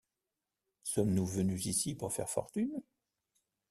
Sommes-nous venus ici pour faire fortune?